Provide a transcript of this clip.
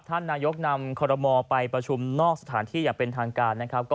ท่านนายกนำคอรมอลไปประชุมนอกสถานที่อย่างเป็นทางการนะครับ